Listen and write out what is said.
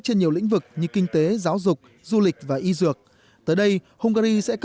trên nhiều lĩnh vực như kinh tế giáo dục du lịch và y dược tới đây hungary sẽ cấp nhiều học báo